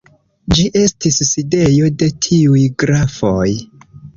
Ĝi estis sidejo de tiuj grafoj.